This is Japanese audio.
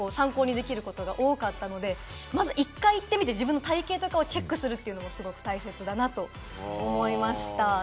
おうちでも参考にできることが多かったので、まず１回行ってみて、自分の体形とかをチェックするのも大切だなと思いました。